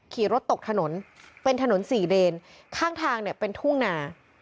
ขี่รถตกถนนเป็นถนนสี่เลนข้างทางเนี่ยเป็นทุ่งนา